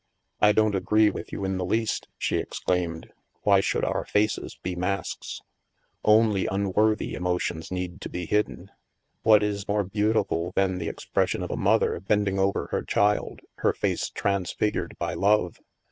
" I don't agree with you in the least," she ex claimed. " Why should our faces be masks ? Only unworthy emotions need to be hidden. What is more beautiful than the expression of a mother bending over her child, her face transfigured by love